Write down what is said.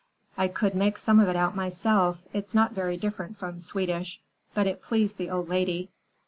I could make some of it out myself,—it's not very different from Swedish,—but it pleased the old lady.